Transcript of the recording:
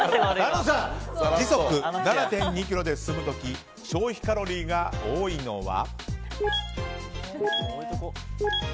時速７．２キロで進む時消費カロリーが多いのは？